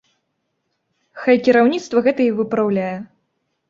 Хай кіраўніцтва гэта і выпраўляе.